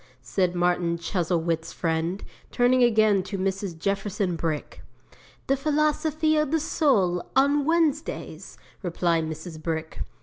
said Martin Chuzzlewit's friend, turning again to Mrs. Jefferson Brick. '"The Philosophy of the Soul, on Wednesdays," replied Mrs. Brick.